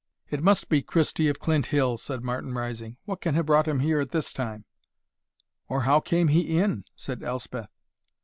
"It must be Christie of Clint hill," said Martin, rising; "what can have brought him here at this time?" "Or how came he in?" said Elspeth.